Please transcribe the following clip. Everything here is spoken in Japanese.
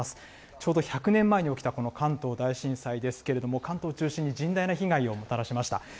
ちょうど１００年前に起きた、この関東大震災ですけれども、関東を中心に甚大な被害をもたらしました。